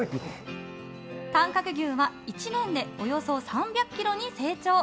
短角牛は１年でおよそ３００ｋｇに成長。